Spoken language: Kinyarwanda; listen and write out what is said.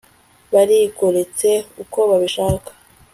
barigoretse uko babishaka